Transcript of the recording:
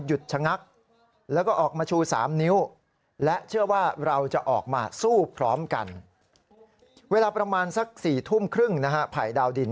หยุดชะนักแล้วก็ออกมาชู่๓นิ้ว